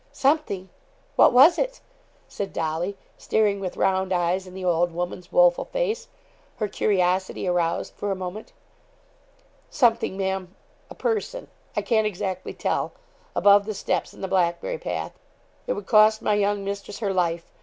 'Something! What was it?' said Dolly, staring with round eyes in the old woman's woeful face, her curiosity aroused for a moment. 'Something, Ma'am a person I can't exactly tell above the steps, in the Blackberry path. It would cost my young mistress her life.